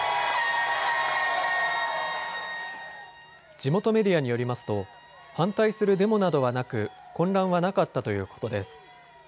地元メディアによりますと反対するデモなどはなく、混乱はなかったということです。